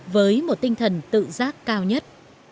với một tinh thần tự giác cao nhất